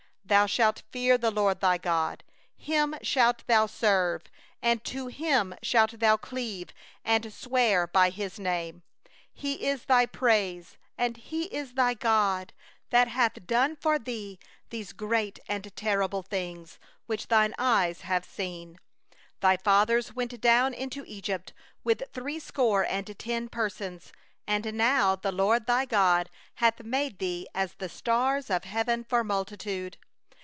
20Thou shalt fear the LORD thy God; Him shalt thou serve; and to Him shalt thou cleave, and by His name shalt thou swear. 21He is thy glory, and He is thy God, that hath done for thee these great and tremendous things, which thine eyes have seen. 22Thy fathers went down into Egypt with threescore and ten persons; and now the LORD thy God hath made thee as the stars of heaven for multitude.